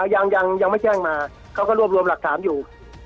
ยังไม่แจ้งมาเขาก็รวบรวมหลักฐานอยู่